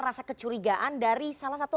rasa kecurigaan dari salah satu